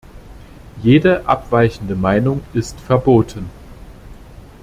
Jede abweichende Meinung ist verboten.